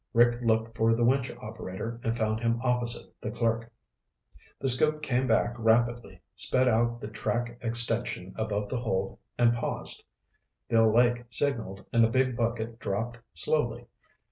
Rick looked for the winch operator and found him opposite the clerk. The scoop came back rapidly, sped out the track extension above the hold, and paused. Bill Lake signaled and the big bucket dropped slowly.